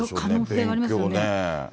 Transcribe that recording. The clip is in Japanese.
可能性がありますよね。